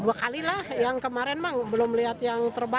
dua kali lah yang kemarin belum melihat yang terbang